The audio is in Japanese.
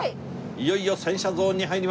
いよいよ洗車ゾーンに入ります。